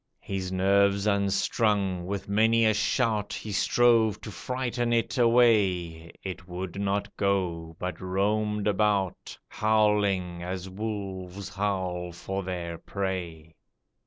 His nerves unstrung, with many a shout He strove to frighten it away, It would not go, but roamed about, Howling, as wolves howl for their prey.